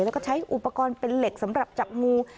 แล้วก็ใช้อุปกรณ์เป็นเหล็กสำหรับจับงู